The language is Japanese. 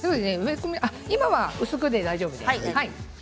今は薄くて大丈夫です。